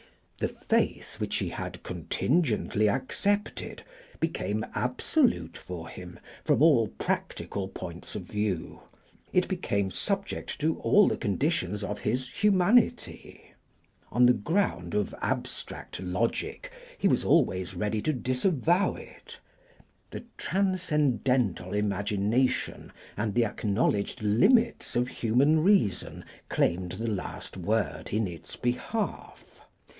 The faith which he had contingently accepted became absolute for him from all practical points of view; it became subject to all the conditions of his humanity. On the ground of abstract logic he was always ready to disavow it; the transcendental imagination and the acknowledged limits of human reason claimed the last word in its behalf.